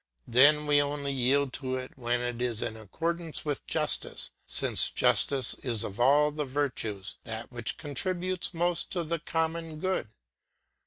Then we only yield to it when it is in accordance with justice, since justice is of all the virtues that which contributes most to the common good.